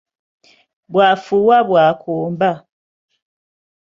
Bw'afuuwa bw'akomba.